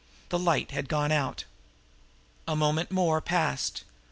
The light had gone out. A moment more passed.